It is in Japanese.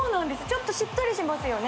ちょっとしっとりしますよね